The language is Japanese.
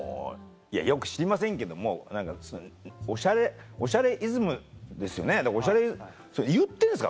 いやよく知りませんけども何か『おしゃれイズム』ですよね。